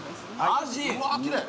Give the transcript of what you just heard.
あじうわきれい！